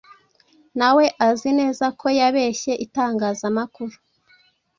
nawe azi neza ko yabeshye itangazamakuru